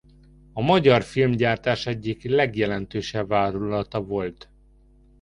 A magyar filmgyártás egyik legjelentősebb vállalata volt.